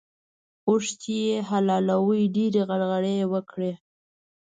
اوښ چې يې حلالوی؛ ډېرې غرغړې يې وکړې.